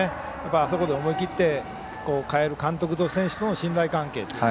あそこで思い切って代える監督と選手の信頼関係。